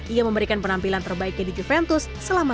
ia memberikan penampilan terbaiknya di juventus selama sembilan bulan